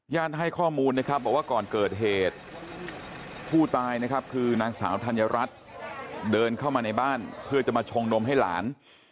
ให้ข้อมูลนะครับบอกว่าก่อนเกิดเหตุผู้ตายนะครับคือนางสาวธัญรัฐเดินเข้ามาในบ้านเพื่อจะมาชงนมให้หลาน